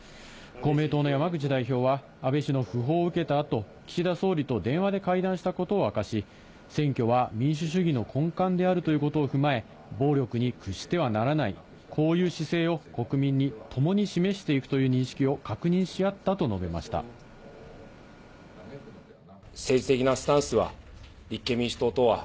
公明党の山口代表は、安倍氏の訃報を受けたあと、岸田総理と電話で会談したことを明かし、選挙は民主主義の根幹であるということを踏まえ、暴力に屈してはならない、こういう姿勢を国民にともに示していくという認識を確認し合った政治的なスタンスは立憲民主党とは、